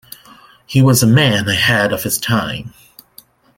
He was a man ahead of his time.